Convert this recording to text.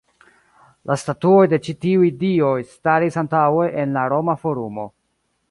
La statuoj de ĉi tiuj dioj staris antaŭe en la Roma Forumo.